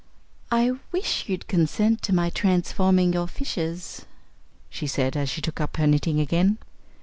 "I wish you'd consent to my transforming your fishes," she said, as she took up her knitting again.